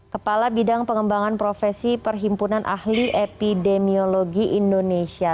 kepala bidang pengembangan profesi perhimpunan ahli epidemiologi indonesia